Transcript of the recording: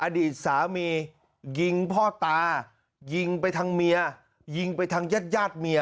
อดีตสามียิงพ่อตายิงไปทางเมียยิงไปทางญาติญาติเมีย